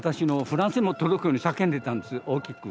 フランスにも届くように叫んでいたんです大きく。